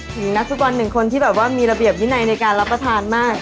นักฟุตบอลหนึ่งคนที่แบบว่ามีระเบียบวินัยในการรับประทานมาก